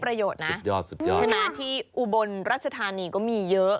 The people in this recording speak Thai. เพราะฉะนั้นอาทิอูบนรัชธานีก็มีเยอะ